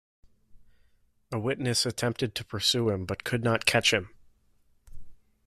A witness attempted to pursue him but could not catch him.